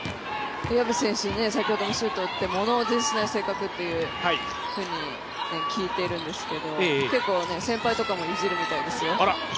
薮選手、先ほどもシュートを打っても物怖じしない性格というふうに聞いているんですが結構、先輩とかもいじるみたいですよ。